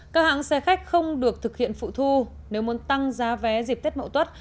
các hãng xe khách không được thực hiện phụ thu nếu muốn tăng giá vé dịp tết mậu tuất